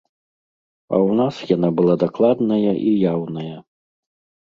А ў нас яна была дакладная і яўная.